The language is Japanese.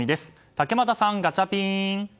竹俣さん、ガチャピン。